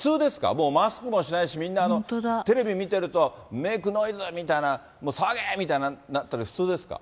もうマスクもしないし、みんなテレビ見てると、メークノイズみたいな、騒げみたいになったり、普通ですか？